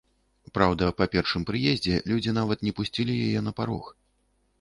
Праўда, па першым прыездзе людзі нават не пусцілі яе на парог.